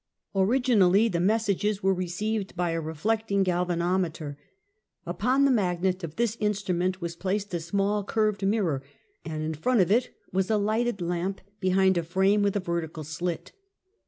Originally the messages were received by a reflecting galvanometer. Upon the magnet of this instrument was placed a small curved mirror, and in front of it was a lighted lamp behind a frame with a vertical slit.